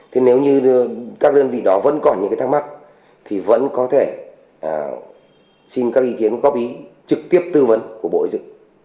thế nếu như các đơn vị đó vẫn còn những cái thắc mắc thì vẫn có thể xin các ý kiến góp ý trực tiếp tư vấn của bộ y dự